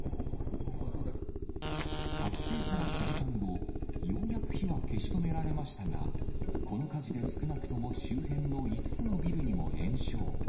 発生から９時間後、ようやく火は消し止められましたが、この火事で少なくとも周辺の５つのビルにも延焼。